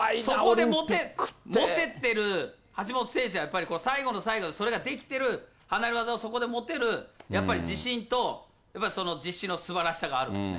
持ててる橋本選手はやっぱり、この最後の最後でそれができてる離れ技をそこで持てる、やっぱり自信と、その実施のすばらしさがあるんですね。